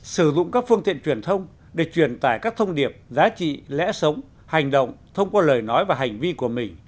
sử dụng các phương tiện truyền thông để truyền tải các thông điệp giá trị lẽ sống hành động thông qua lời nói và hành vi của mình